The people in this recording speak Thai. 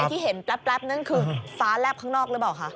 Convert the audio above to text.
ที่เห็นแป๊บนั่นคือฟ้าแลบข้างนอกหรือเปล่าคะ